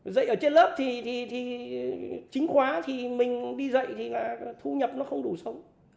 dạy ở trên lớp thì chính khóa thì mình đi dạy thì là thu nhập nó không đủ sống